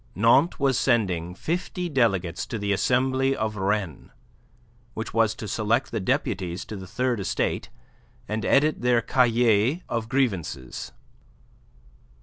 Nantes was sending fifty delegates to the assembly of Rennes which was to select the deputies to the Third Estate and edit their cahier of grievances.